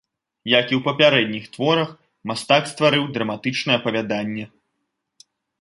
Як і ў папярэдніх творах, мастак стварыў драматычнае апавяданне.